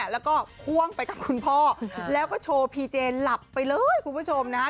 แล้วก็พ่วงไปกับคุณพ่อแล้วก็โชว์พีเจนหลับไปเลยคุณผู้ชมนะฮะ